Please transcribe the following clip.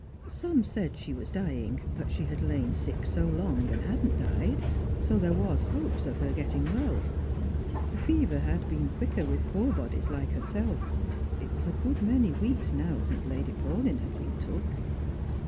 Some said she was dying ; but she had lain sick so long, and hadn't died, so there was hopes of her getting well. The fever had been quicker with poor bodies like hersen. It was a good many weeks now since Lady Paulyn had been took.